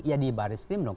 ya di baris krim dong